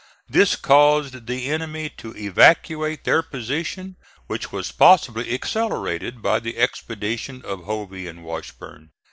This caused the enemy to evacuate their position, which was possibly accelerated by the expedition of Hovey and Washburn.